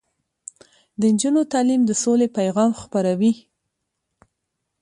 د نجونو تعلیم د سولې پیغام خپروي.